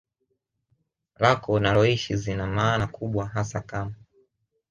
lako unaloishi zina maana kubwa hasa kama